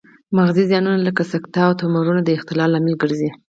مغزي زیانونه لکه سکتې او تومورونه د اختلال لامل ګرځي